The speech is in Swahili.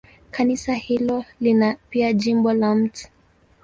Kanisa hilo lina pia jimbo la Mt.